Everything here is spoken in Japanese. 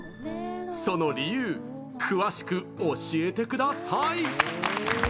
その理由詳しく教えてください！